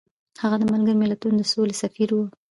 هغه د ملګرو ملتونو د سولې سفیر و.